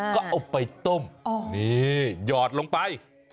ก็เอาไปต้มนี่หยอดลงไป